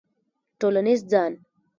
ټولنیز ځان